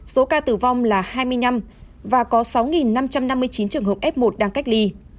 số ca tử vong là hai mươi năm và có sáu năm trăm năm mươi chín trường hợp f một đang cách ly